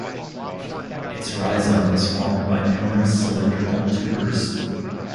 Its rhizome is formed by numerous cylindrical tubers.